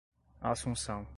assunção